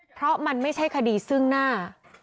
เพราะมันไม่ใช่คดีซึ่งหน้า